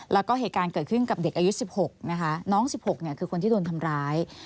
แล้วก็เหตุการณ์เกิดขึ้นกับเด็กอายุ๑๖นะคะน้อง๑๖เนี่ยคือคนที่โดนทำร้าย